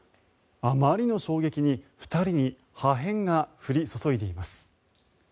あまりの衝撃に２人に破片が降り注いでいます。